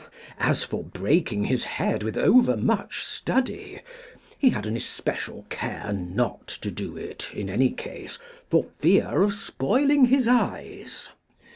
As for breaking his head with over much study, he had an especial care not to do it in any case, for fear of spoiling his eyes.